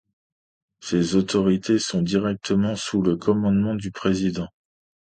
Ces autorités sont directement sous le commandement du président.